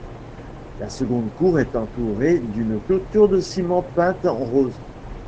La seconde cour est entourée d'une clôture de ciment peinte en rose.